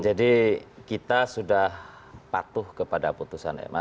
jadi kita sudah patuh kepada keputusan ma